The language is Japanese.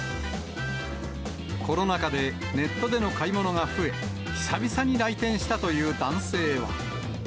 コロナ禍でネットでの買い物が増え、久々に来店したという男性は。